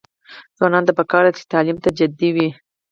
ځوانانو ته پکار ده چې، تعلیم ته جدي وي.